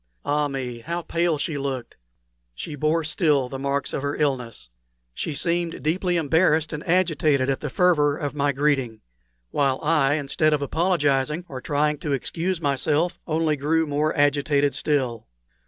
Ah me, how pale she looked! She bore still the marks of her illness. She seemed deeply embarrassed and agitated at the fervor of my greeting; while I, instead of apologizing or trying to excuse myself, only grew more agitated still.